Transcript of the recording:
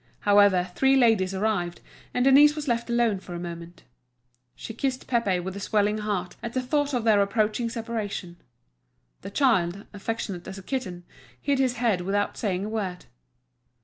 However, three ladies arrived, and Denise was left alone for a moment. She kissed Pépé with a swelling heart, at the thought of their approaching separation. The child, affectionate as a kitten, hid his head without saying a word.